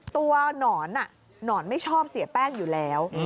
หนอนหนอนไม่ชอบเสียแป้งอยู่แล้ว